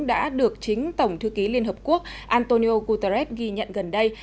đã được chính tổng thư ký liên hợp quốc antonio guterres ghi nhận gần đây